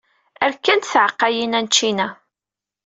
Rkant tɛeqqayin-a n ččina.